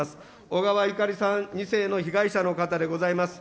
小川ゆかりさん、２世の被害者の方でございます。